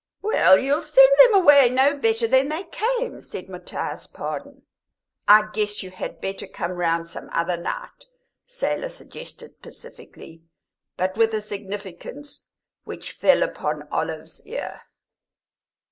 "Well, you'll send them away no better than they came," said Matthias Pardon. "I guess you had better come round some other night," Selah suggested pacifically, but with a significance which fell upon Olive's ear.